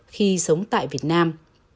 khi sống tại việt nam